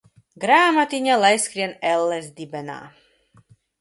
Grāmatiņa lai skrien elles dibenā.